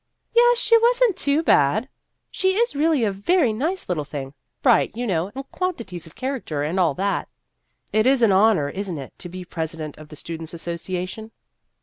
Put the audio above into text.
"Yes, was n't it too bad ! She is really a very nice little thing bright, you know, and quantities of character, and all that." "It is an honor, is n't it, to be presi dent of the Students' Association?"